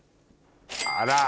あら。